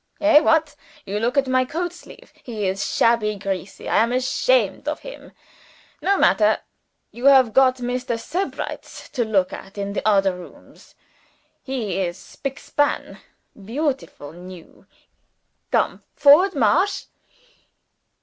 Hey! what? You look at my coatsleeve. He is shabby greasy I am ashamed of him. No matter. You have got Mr. Sebrights to look at in the odder rooms. He is spick span, beautiful new. Come! Forwards! Marsch!"